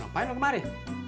ngapain lo kemari